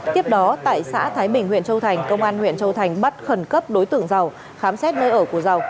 tiếp đó tại xã thái bình huyện châu thành công an huyện châu thành bắt khẩn cấp đối tượng giàu khám xét nơi ở của giàu